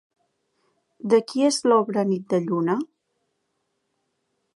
De qui és l'obra Nit de lluna?